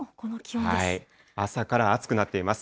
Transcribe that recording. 朝から暑くなっています。